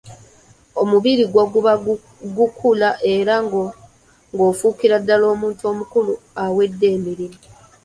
Omubiri gwo guba gukula era ng'ofuukira ddala omuntu omukulu awedde emirimu.